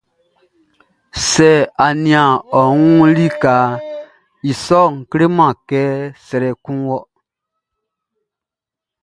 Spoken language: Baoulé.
Sɛ a nian ɔ wun likaʼn, i sɔʼn kleman kɛ srɛ kun wɔ.